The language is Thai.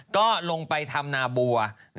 ก็ลงไปทำนาบัว